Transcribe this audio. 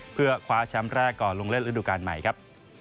เพื่อคว้าแชมป์แรกก่อนลงเล่นฤดูการใหม่ครับ